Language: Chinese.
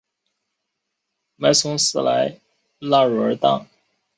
迈松瑟莱拉茹尔当。